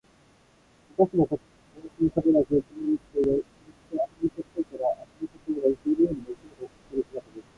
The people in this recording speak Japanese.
おかしなことには、帽子もかぶらず、着物も着ていない。そのくせ、頭のてっぺんから足の先まで、墨のようにまっ黒な人の姿です。